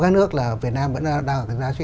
các nước là việt nam vẫn đang ở cái giá trị